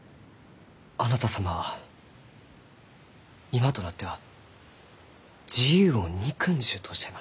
あなた様は今となっては自由を憎んじゅうとおっしゃいました。